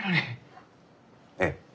ええ。